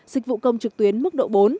dịch vụ công trực tuyến mức độ bốn